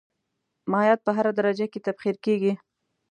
مایعات په هره درجه کې تبخیر کیږي.